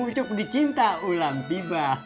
pucuk dicinta ulang tiba